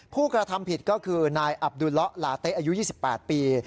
ผู้กระทำผิดก็คือนายอับดุลละลาเต๊ะอายุ๒๘ปี